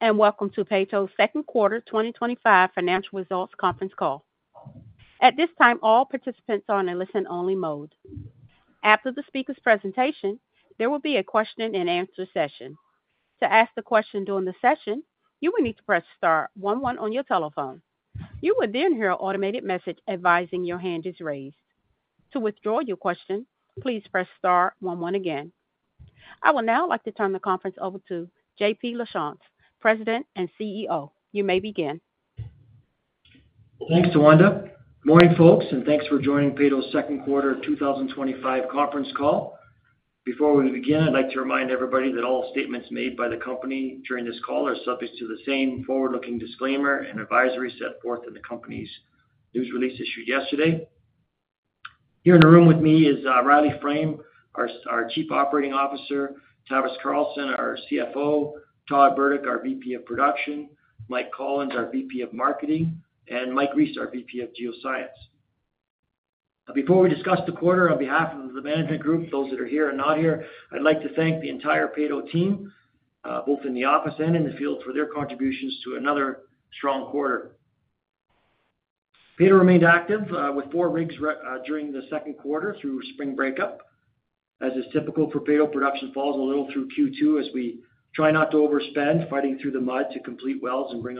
Hello, and welcome to Peyto Exploration & Development Corp.'s Second Quarter 2025 Financial Results Conference Call. At this time, all participants are on a listen-only mode. After the speaker's presentation, there will be a question-and-answer session. To ask a question during the session, you will need to press star one one on your telephone. You will then hear an automated message advising your hand is raised. To withdraw your question, please press star one one again. I will now like to turn the conference over to Jean-Paul H. Lachance, President and CEO. You may begin. Thanks, DeWanda. Morning, folks, and thanks for joining Peyto Exploration & Development Corp.'s second quarter 2025 conference call. Before we begin, I'd like to remind everybody that all statements made by the company during this call are subject to the same forward-looking disclaimer and advisory set forth in the company's news release issued yesterday. Here in the room with me is Riley Millar Frame, our Chief Operating Officer; Tavis Carlson, our Chief Financial Officer; Todd Burdick, our Vice President of Production; Mike Collins, our Vice President of Marketing; and Mike Rees, our Vice President of Geoscience. Before we discuss the quarter, on behalf of the management group, those that are here and not here, I'd like to thank the entire Peyto Exploration & Development Corp. team, both in the office and in the field, for their contributions to another strong quarter. Peyto Exploration & Development Corp. remained active with four rigs during the second quarter through spring breakup. As is typical for Peyto Exploration & Development Corp., production falls a little through Q2 as we try not to overspend, fighting through the mud to complete wells and bring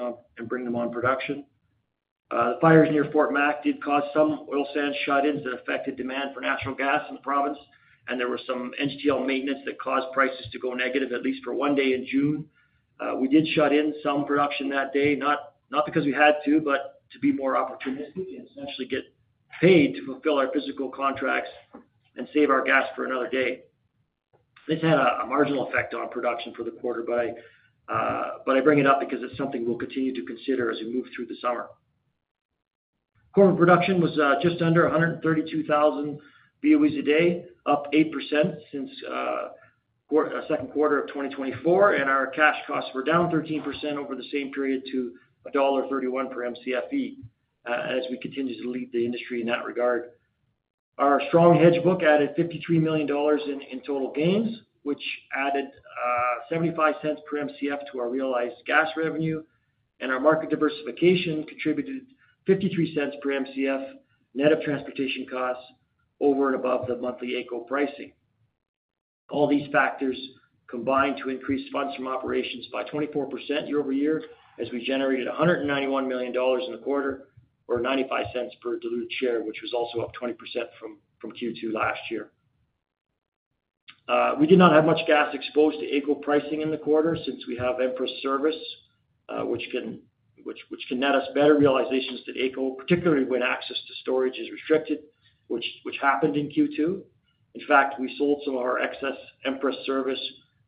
them on production. The fires near Fort McMurray did cause some oil sands shut-ins that affected demand for natural gas in the province, and there was some NGTL maintenance that caused prices to go negative at least for one day in June. We did shut in some production that day, not because we had to, but to be more opportunistic and essentially get paid to fulfill our physical contracts and save our gas for another day. This had a marginal effect on production for the quarter, but I bring it up because it's something we'll continue to consider as we move through the summer. Quarter production was just under 132,000 BOE/d, up 8% since the second quarter of 2024, and our cash costs were down 13% over the same period to dollar 1.31 per MCFE as we continue to lead the industry in that regard. Our strong hedge book added 53 million dollars in total gains, which added 0.75 per MCF to our realized gas revenue, and our market diversification contributed 0.53 per MCF net of transportation costs over and above the monthly AECO pricing. All these factors combined to increase funds from operations by 24% year-over-year as we generated 191 million dollars in the quarter, or 0.95 per diluted share, which was also up 20% from Q2 last year. We did not have much gas exposed to AECO pricing in the quarter since we have Empress Service, which can net us better realizations than AECO, particularly when access to storage is restricted, which happened in Q2. In fact, we sold some of our excess Empress Service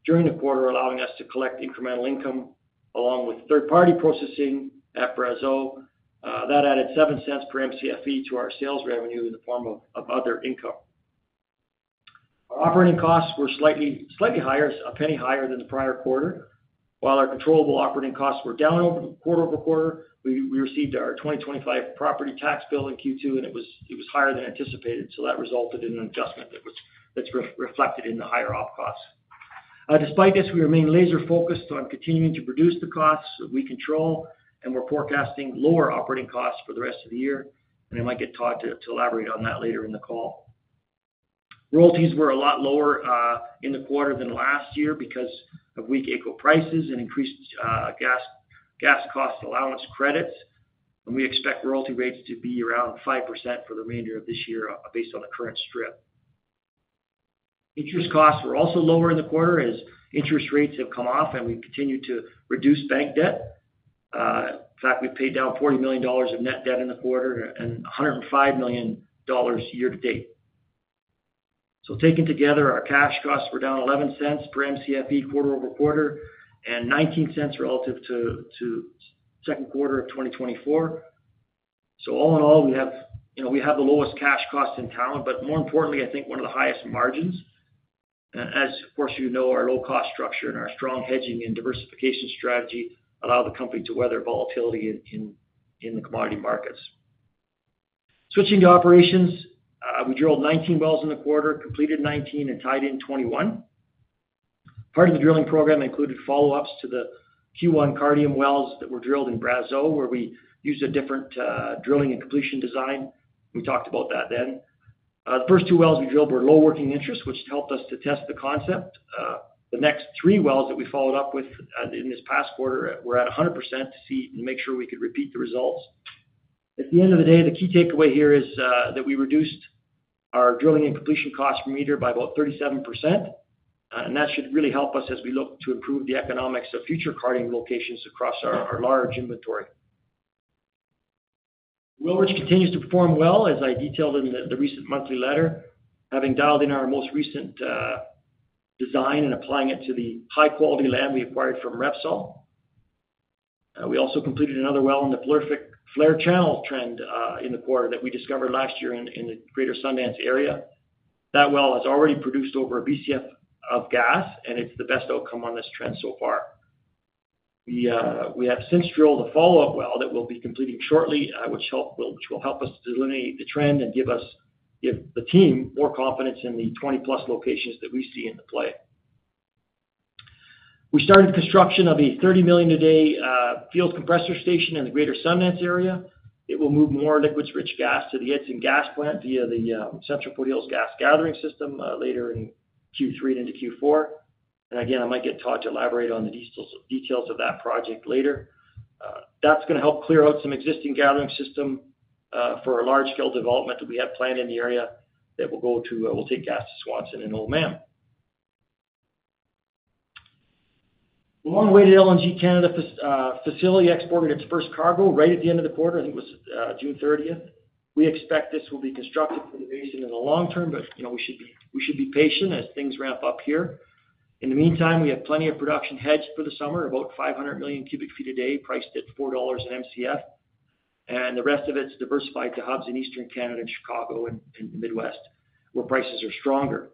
during the quarter, allowing us to collect incremental income along with third-party processing at Brazeau. That added 0.07 per MCFE to our sales revenue in the form of other income. Our operating costs were slightly higher, a penny higher than the prior quarter. While our controllable operating costs were down quarter over quarter, we received our 2025 property tax bill in Q2, and it was higher than anticipated, so that resulted in an adjustment that's reflected in the higher op costs. Despite this, we remain laser-focused on continuing to reduce the costs we control, and we're forecasting lower operating costs for the rest of the year, and I might get Todd to elaborate on that later in the call. Royalties were a lot lower in the quarter than last year because of weak AECO prices and increased gas cost allowance credits, and we expect royalty rates to be around 5% for the remainder of this year based on the current strip. Interest costs were also lower in the quarter as interest rates have come off and we continue to reduce bank debt. In fact, we paid down 40 million dollars of net debt in the quarter and 105 million dollars year to date. Taken together, our cash costs were down 0.11 per MCFE quarter over quarter and 0.19 relative to the second quarter of 2024. All in all, we have the lowest cash cost in town, but more importantly, I think one of the highest margins. As, of course, you know, our low-cost structure and our strong hedging and diversification strategy allow the company to weather volatility in the commodity markets. Switching to operations, we drilled 19 wells in the quarter, completed 19, and tied in 21. Part of the drilling program included follow-ups to the Q1 Cardium wells that were drilled in Brazeau, where we used a different drilling and completion design. We talked about that then. The first two wells we drilled were low working interest, which helped us to test the concept. The next three wells that we followed up with in this past quarter were at 100% to see and make sure we could repeat the results. At the end of the day, the key takeaway here is that we reduced our drilling and completion cost per meter by about 37%, and that should really help us as we look to improve the economics of future Cardium locations across our large inventory. Willrich continues to perform well, as I detailed in the recent monthly letter, having dialed in our most recent design and applying it to the high-quality land we acquired from Repsol. We also completed another well in the prolific flare channel trend in the quarter that we discovered last year in the Greater Sundance area. That well has already produced over a BCF of gas, and it's the best outcome on this trend so far. We have since drilled a follow-up well that we'll be completing shortly, which will help us to delineate the trend and give the team more confidence in the 20+ locations that we see in the play. We started construction of a 30 million a day field compressor station in the Greater Sundance area. It will move more liquids-rich gas to the Itsen Gas Plant via the Central Foothills Gas Gathering System later in Q3 and into Q4. I might get Todd to elaborate on the details of that project later. That's going to help clear out some existing gathering system for a large-scale development that we have planned in the area that will take gas to Swansea and Old Mammoth. The long-waited LNG Canada facility exported its first cargo right at the end of the quarter. I think it was June 30. We expect this will be constructively amazing in the long term, but you know we should be patient as things ramp up here. In the meantime, we have plenty of production hedge for the summer, about 500 MMcfpd, priced at 4 dollars an MCF, and the rest of it's diversified to hubs in Eastern Canada, Chicago, and Midwest where prices are stronger.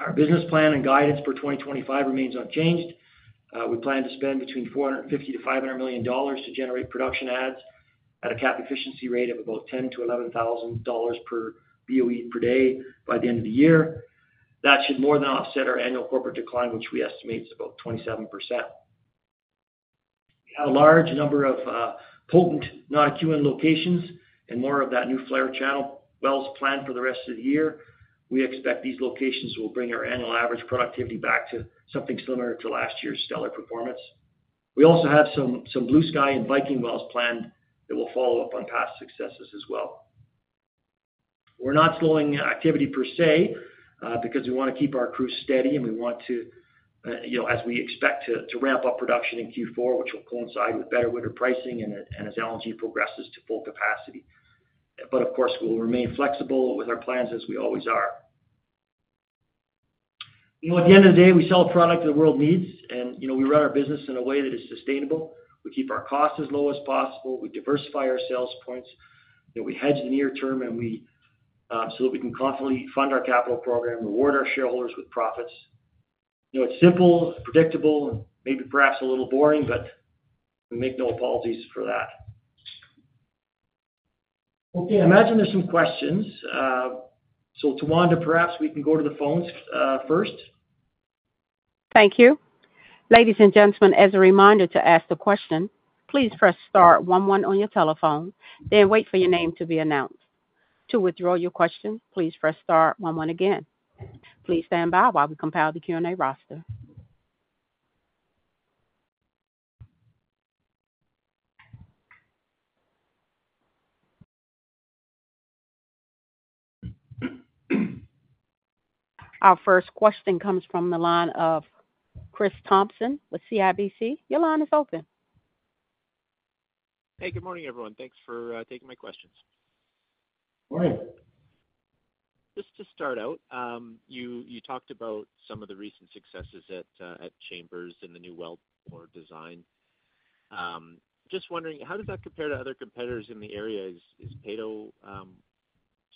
Our business plan and guidance for 2025 remains unchanged. We plan to spend between 450 million-500 million dollars to generate production adds at a capital efficiency rate of about 10,000-11,000 dollars per BOE per day by the end of the year. That should more than offset our annual corporate decline, which we estimate is about 27%. We have a large number of potent non-QN locations and more of that new flare channel wells planned for the rest of the year. We expect these locations will bring our annual average productivity back to something similar to last year's stellar performance. We also have some Bluesky and Viking wells planned that will follow up on past successes as well. We're not slowing activity per se because we want to keep our crews steady and we want to, you know, as we expect to ramp up production in Q4, which will coincide with better winter pricing and as LNG progresses to full capacity. Of course, we'll remain flexible with our plans as we always are. At the end of the day, we sell a product that the world needs, and we run our business in a way that is sustainable. We keep our costs as low as possible. We diversify our sales points. We hedge the near term so that we can constantly fund our capital program and reward our shareholders with profits. It's simple, predictable, and maybe perhaps a little boring, but we make no apologies for that. Okay, I imagine there's some questions. Tawanda, perhaps we can go to the phones first. Thank you. Ladies and gentlemen, as a reminder to ask a question, please press star one one on your telephone, then wait for your name to be announced. To withdraw your question, please press star one one again. Please stand by while we compile the Q&A roster. Our first question comes from the line of Christopher Thompson with CIBC Capital Markets. Your line is open. Hey, good morning, everyone. Thanks for taking my questions. Morning. Just to start out, you talked about some of the recent successes at Chambers in the new well core design. Just wondering, how does that compare to other competitors in the area? Is Peyto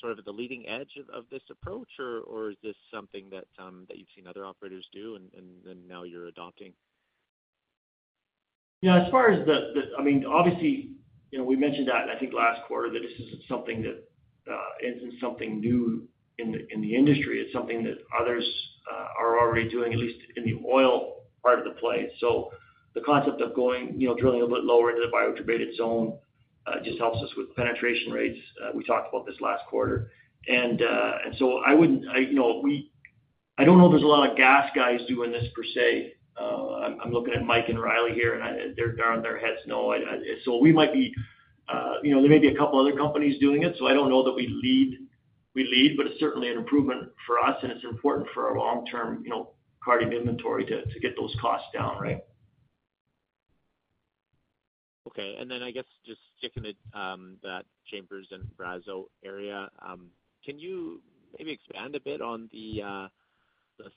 sort of at the leading edge of this approach, or is this something that you've seen other operators do and then now you're adopting? Yeah, as far as the, I mean, obviously, you know, we mentioned that last quarter that this isn't something new in the industry. It's something that others are already doing, at least in the oil part of the play. The concept of going, you know, drilling a little bit lower into the biodegraded zone just helps us with penetration rates. We talked about this last quarter. I wouldn't, you know, we, I don't know if there's a lot of gas guys doing this per se. I'm looking at Mike and Riley here, and they're nodding their heads, no. We might be, you know, there may be a couple other companies doing it. I don't know that we lead, we lead, but it's certainly an improvement for us, and it's important for our long-term, you know, Cardium inventory to get those costs down, right? Okay. I guess just sticking to that Chambers and Brazeau area, can you maybe expand a bit on the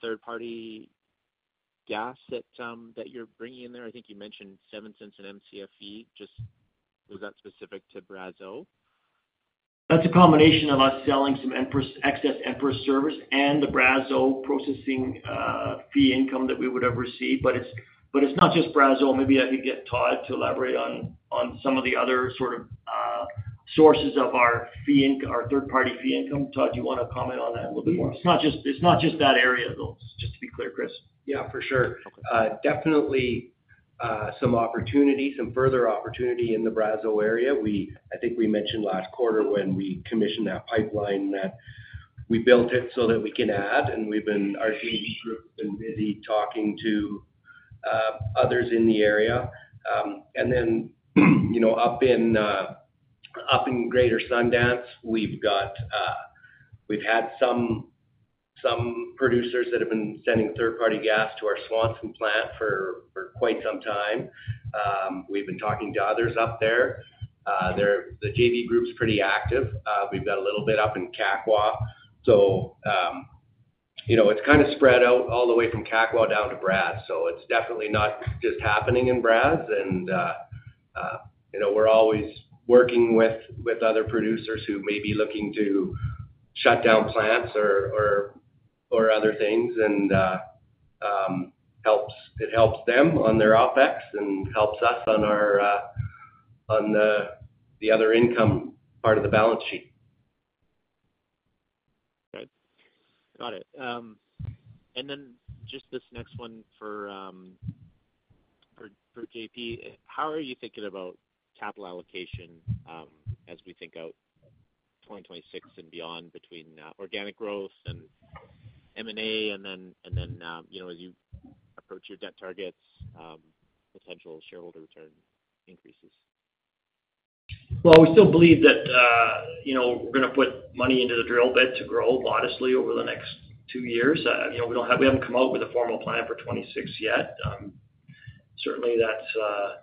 third-party gas that you're bringing in there? I think you mentioned 0.07 an MCFE. Was that specific to Brazeau? That's a combination of us selling some excess Empress Service and the Brazeau processing fee income that we would have received. It's not just Brazeau. Maybe I can get Todd to elaborate on some of the other sort of sources of our fee income, our third-party fee income. Todd, do you want to comment on that a little bit more? It's not just that area, though, just to be clear, Chris. Yeah, for sure. Definitely, some opportunity, some further opportunity in the Brazeau area. I think we mentioned last quarter when we commissioned that pipeline that we built it so that we can add, and we've been, our CEO has been busy talking to others in the area. You know, up in Greater Sundance, we've had some producers that have been sending third-party gas to our Swanson plant for quite some time. We've been talking to others up there. The TV group's pretty active. We've got a little bit up in Kakwa. You know, it's kind of spread out all the way from Kakwa down to Brazeau. It's definitely not just happening in Brazeau. We're always working with other producers who may be looking to shut down plants or other things, and it helps them on their OpEx and helps us on the other income part of the balance sheet. Right. Got it. And then just this next one for JP. How are you thinking about capital allocation as we think out 2026 and beyond between organic growth and M&A, and then, you know, as you approach your debt targets, potential shareholder return increases? We still believe that, you know, we're going to put money into the drill bit to grow modestly over the next two years. We don't have, we haven't come out with a formal plan for 2026 yet. Certainly, that's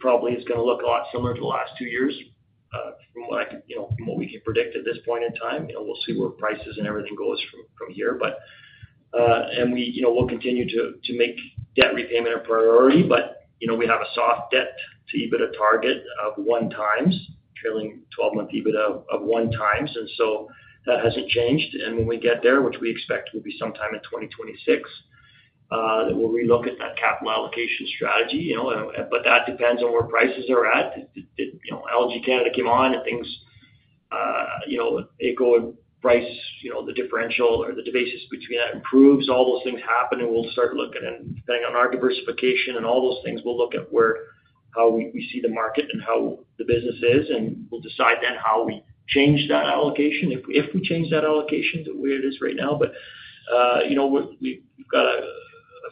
probably going to look a lot similar to the last two years from what I can, you know, from what we can predict at this point in time. We'll see where prices and everything go from here. We, you know, will continue to make debt repayment a priority. We have a soft debt to EBITDA target of one times, trailing 12-month EBITDA of one times. That hasn't changed. When we get there, which we expect will be sometime in 2026, we'll relook at that capital allocation strategy. That depends on where prices are at. LNG Canada came on and things, you know, AECO and price, you know, the differential or the basis between that proves all those things happen. We'll start looking at our diversification and all those things. We'll look at how we see the market and how the business is, and we'll decide then how we change that allocation, if we change that allocation to where it is right now. We've got a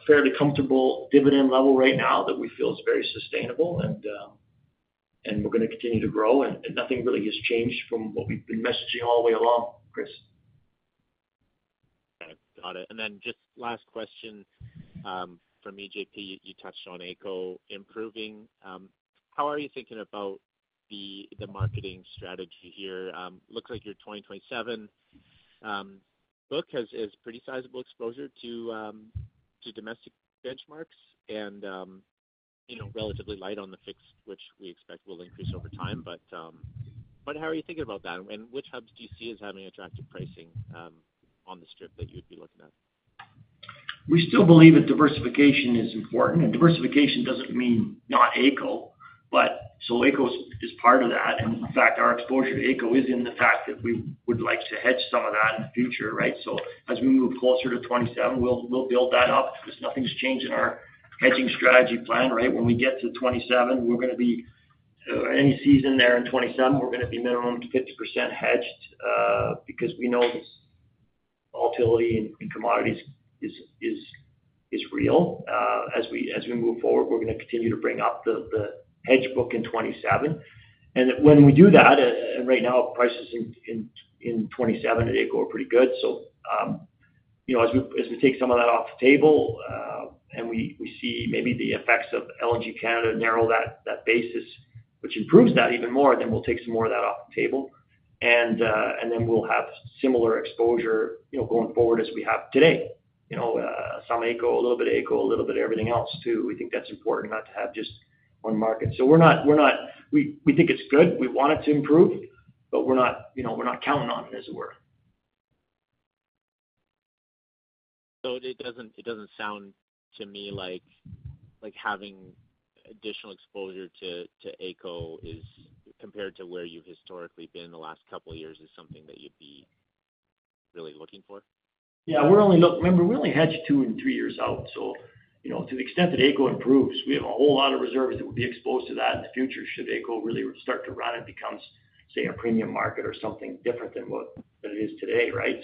fairly comfortable dividend level right now that we feel is very sustainable, and we're going to continue to grow. Nothing really has changed from what we've been messaging all the way along, Chris. Got it. Just last question from me, JP. You touched on AECO improving. How are you thinking about the marketing strategy here? Looks like your 2027 book has pretty sizable exposure to domestic benchmarks and, you know, relatively light on the fixed, which we expect will increase over time. How are you thinking about that? Which hubs do you see as having attractive pricing on the strip that you'd be looking at? We still believe that diversification is important. Diversification doesn't mean not AECO, but AECO is part of that. In fact, our exposure to AECO is in the fact that we would like to hedge some of that in the future, right? As we move closer to 2027, we'll build that up. Nothing's changed in our hedging strategy plan, right? When we get to 2027, any season there in 2027, we're going to be minimum to 50% hedged because we know this volatility in commodities is real. As we move forward, we're going to continue to bring up the hedge book in 2027. When we do that, right now prices in 2027 and AECO are pretty good. As we take some of that off the table and we see maybe the effects of LNG Canada narrow that basis, which improves that even more, then we'll take some more of that off the table. We'll have similar exposure going forward as we have today. Some AECO, a little bit AECO, a little bit of everything else too. We think that's important not to have just one market. We're not, we think it's good. We want it to improve, but we're not counting on it as it were. It doesn't sound to me like having additional exposure to AECO compared to where you've historically been in the last couple of years is something that you'd be really looking for? Yeah, we're only looking, remember, we only hedge two and three years out. To the extent that AECO improves, we have a whole lot of reserves that would be exposed to that in the future should AECO really start to run and become, say, a premium market or something different than what it is today, right?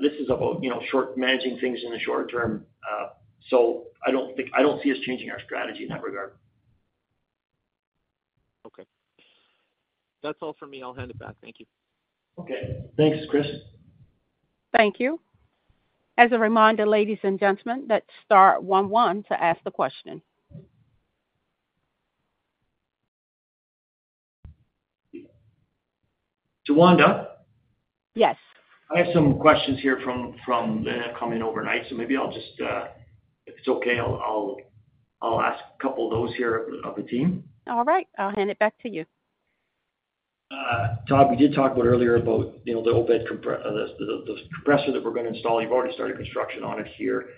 This is about managing things in the short term. I don't think, I don't see us changing our strategy in that regard. Okay, that's all for me. I'll hand it back. Thank you. Okay. Thanks, Chris. Thank you. As a reminder, ladies and gentlemen, let's star one one to ask the question. Tawanda? Yes. I have some questions here from Lynnette coming in overnight. If it's okay, I'll ask a couple of those here of the team. All right, I'll hand it back to you. Todd, we did talk earlier about, you know, the OBED compressor that we're going to install. You've already started construction on it here.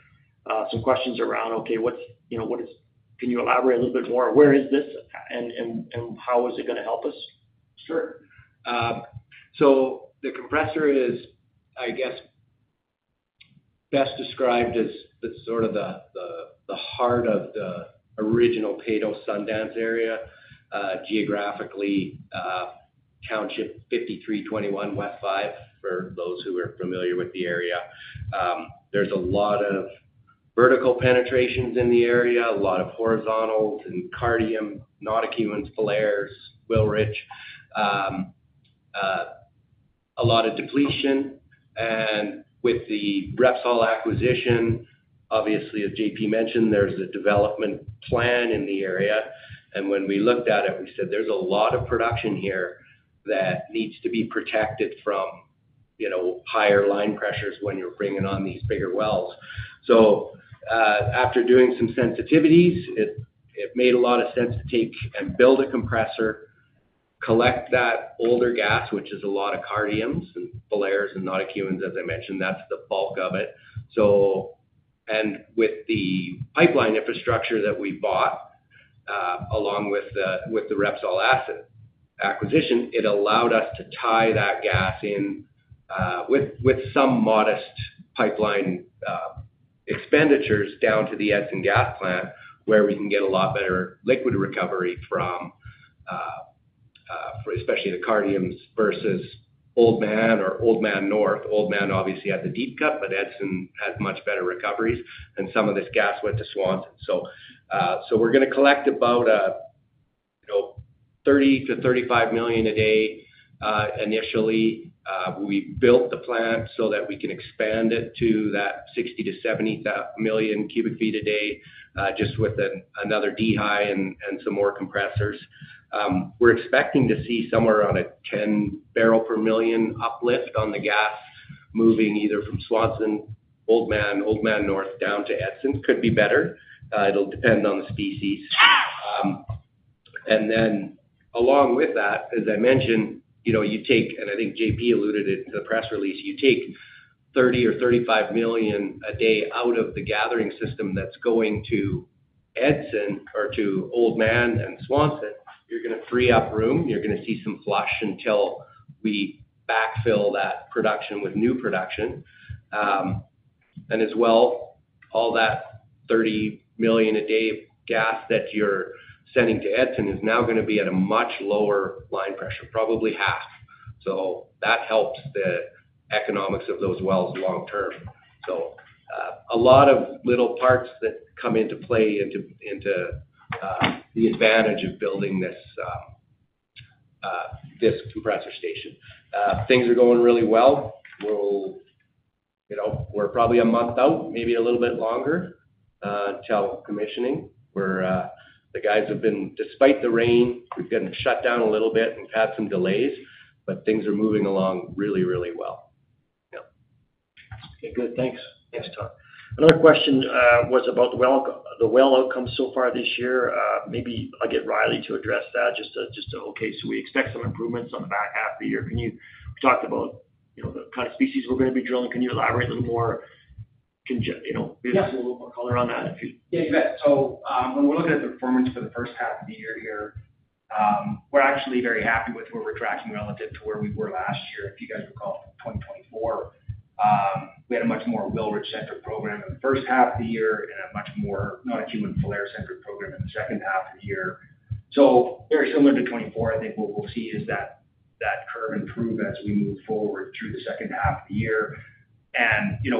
Some questions around, okay, what's, you know, what is, can you elaborate a little bit more? Where is this and how is it going to help us? Sure. The compressor is, I guess, best described as the heart of the original Peyto Sundance area, geographically, Township 53-21, W5P, for those who are familiar with the area. There are a lot of vertical penetrations in the area, a lot of horizontal and Cardium, not a key man's flares, Wilrich, a lot of depletion. With the Repsol acquisition, obviously, as JP mentioned, there is a development plan in the area. When we looked at it, we said there is a lot of production here that needs to be protected from higher line pressures when you are bringing on these bigger wells. After doing some sensitivities, it made a lot of sense to take and build a compressor, collect that older gas, which is a lot of Cardiums, flares, and not a key man's, as I mentioned, that is the bulk of it. With the pipeline infrastructure that we bought, along with the Repsol asset acquisition, it allowed us to tie that gas in with some modest pipeline expenditures down to the Edson gas plant where we can get a lot better liquid recovery from, especially the Cardiums versus Oldman or Oldman North. Oldman obviously had the deep cut, but Edson had much better recoveries, and some of this gas went to Swanson. We are going to collect about 30 MMcfpd-35 MMcfpd initially. We built the plant so that we can expand it to that 60 MMcfpd-70 MMcfpd just with another DI and some more compressors. We are expecting to see somewhere around a 10 barrel per million uplift on the gas moving either from Swanson, Oldman, Oldman North down to Edson. It could be better. It will depend on the species. Along with that, as I mentioned, you take, and I think JP alluded to the press release, you take 30 million or 35 million a day out of the gathering system that is going to Edson or to Oldman and Swanson. You are going to free up room. You are going to see some flush until we backfill that production with new production. As well, all that 30 million a day gas that you are sending to Edson is now going to be at a much lower line pressure, probably half. That helps the economics of those wells long term. There are a lot of little parts that come into play into the advantage of building this compressor station. Things are going really well. We are probably a month out, maybe a little bit longer until commissioning, where the guys have been, despite the rain, we have been shut down a little bit and had some delays, but things are moving along really, really well. Okay, good. Thanks. Yes, Todd. Another question was about the well outcome so far this year. Maybe I'll get Riley to address that. We expect some improvements on the back half of the year. Can you talk about the kind of species we are going to be drilling? Can you elaborate a little more? Can you give us a little more color on that? Yeah, you bet. When we're looking at the performance for the first half of the year here, we're actually very happy with where we're tracking relative to where we were last year. If you guys recall, in 2024, we had a much more Wilrich-centric program in the first half of the year and a much more Notikewin and Falher-centric program in the second half of the year. Very similar to 2024, I think what we'll see is that curve improves as we move forward through the second half of the year.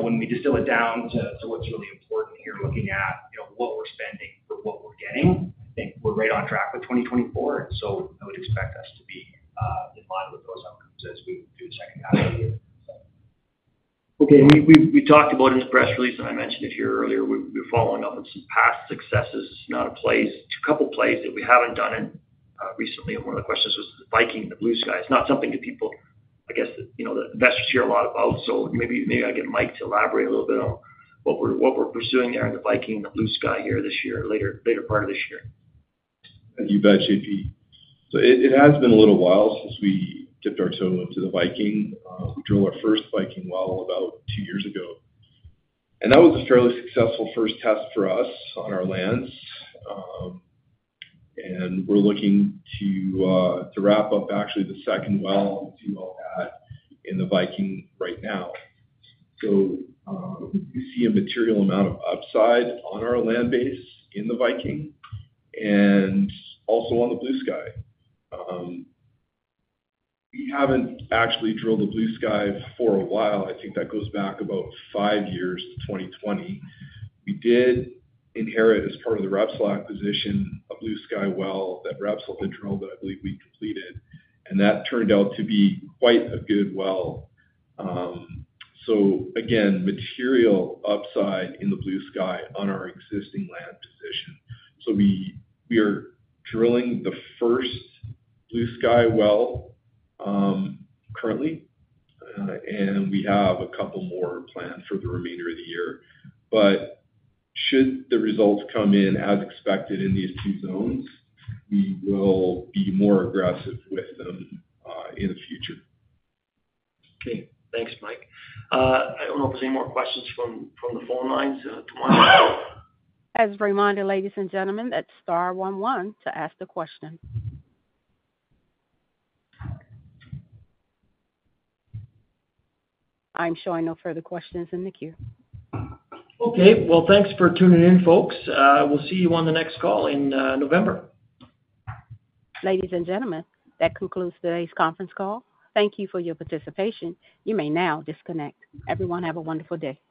When we distill it down to what's really important here, looking at what we're spending for what we're getting, I think we're right on track with 2024. I would expect us to be in line with those outcomes as we do the second half of the year. Okay. We talked about in the press release, and I mentioned it here earlier, we're following up with some past successes, not a couple of plays that we haven't done recently. One of the questions was the Viking, the Bluesky. It's not something that people, I guess, you know, the investors hear a lot about. Maybe I get Mike to elaborate a little bit on what we're pursuing there in the Viking, the Bluesky here this year, later, later part of this year. You bet, JP. It has been a little while since we dipped our toe into the Viking. We drilled our first Viking well about two years ago. That was a fairly successful first test for us on our lands. We're looking to wrap up actually the second well and do all that in the Viking right now. We see a material amount of upside on our land base in the Viking and also on the Bluesky. We haven't actually drilled a Bluesky for a while. I think that goes back about five years, to 2020. We did inherit, as part of the Repsol acquisition, a Bluesky well that Repsol had drilled that I believe we completed. That turned out to be quite a good well. Again, material upside in the Bluesky on our existing land position. We are drilling the first Bluesky well currently, and we have a couple more planned for the remainder of the year. If the results come in as expected in these two zones, we will be more aggressive with them in the future. Thanks, Mike. I don't know if there's any more questions from the phone lines. As a reminder, ladies and gentlemen, let's star one-one to ask the question. I'm showing no further questions in the queue. Okay. Thanks for tuning in, folks. We'll see you on the next call in November. Ladies and gentlemen, that concludes today's conference call. Thank you for your participation. You may now disconnect. Everyone, have a wonderful day.